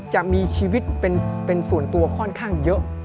จะมีชีวิตเป็นส่วนตัวค่อนข้างเยอะ